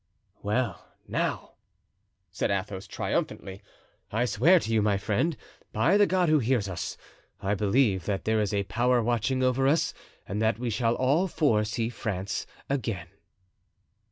"Well, now," said Athos, triumphantly, "I swear to you, my friend, by the God who hears us—I believe that there is a power watching over us, and that we shall all four see France again."